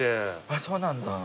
あっそうなんだ。